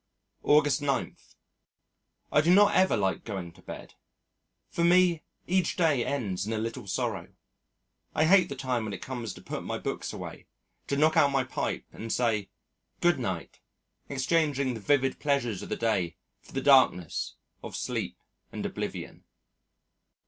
August 9. I do not ever like going to bed. For me each day ends in a little sorrow. I hate the time when it comes to put my books away, to knock out my pipe and say "Good night," exchanging the vivid pleasures of the day for the darkness of sleep and oblivion.